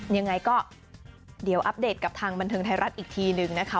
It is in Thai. ยังไงก็เดี๋ยวอัปเดตกับทางบันเทิงไทยรัฐอีกทีนึงนะคะ